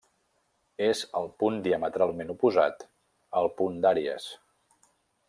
És el punt diametralment oposat al punt d'Àries.